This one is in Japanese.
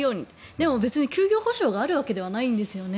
でも別に休業補償があるわけではないんですよね。